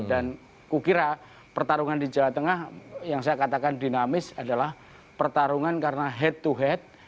dan kukira pertarungan di jawa tengah yang saya katakan dinamis adalah pertarungan karena head to head